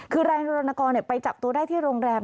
คือนายรณกรไปจับตัวได้ที่โรงแรม